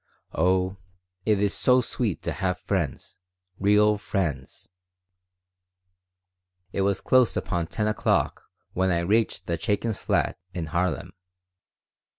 Oh, it is so sweet to have friends, real friends." It was close upon 10 o'clock when I reached the Chaikins' flat in Harlem.